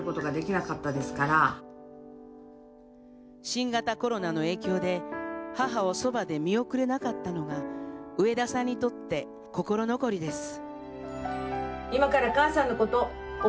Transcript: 新型コロナの影響で母をそばで見送れなかったのが上田さんにとって、心残りです。